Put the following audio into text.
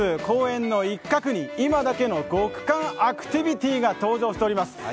公園の一角に、今だけの極寒アクティビティーが登場しています。